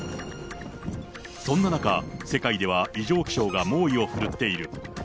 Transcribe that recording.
そんな中、世界では異常気象が猛威を振るっている。